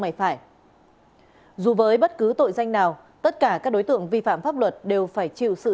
ngoài phải dù với bất cứ tội danh nào tất cả các đối tượng vi phạm pháp luật đều phải chịu sự